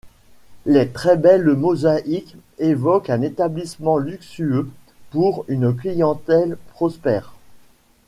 Les très belles mosaïques évoquent un établissement luxueux pour une clientèle prospère.